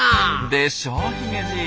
でしょヒゲじい。